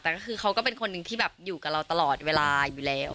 แต่ก็คือเขาก็เป็นคนหนึ่งที่แบบอยู่กับเราตลอดเวลาอยู่แล้ว